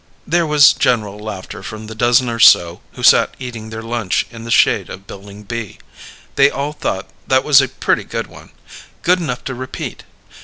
There was general laughter from the dozen or so who sat eating their lunch in the shade of Building B. They all thought that was a pretty good one. Good enough to repeat.